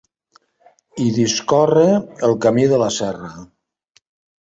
Hi discorre el Camí de la Serra.